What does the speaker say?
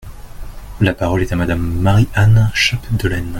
La parole est à Madame Marie-Anne Chapdelaine.